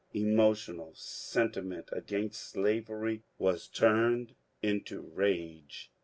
Emotional sentiment against slavery was turned into rage.